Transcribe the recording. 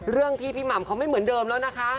เรื่องที่พี่หม่ำเขาไม่เหมือนเดิมแล้วนะคะ